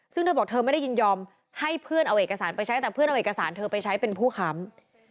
ซึ่งเธอบอกเธอไม่ได้ยินยอมให้เพื่อนเอาเอกสารไปใช้แต่เพื่อนเอาเอกสารเธอไปใช้เป็นผู้ค้ำ